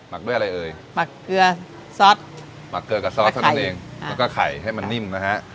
ักด้วยอะไรเอ่ยหมักเกลือซอสมักเกลือกับซอสเท่านั้นเองแล้วก็ไข่ให้มันนิ่มนะฮะ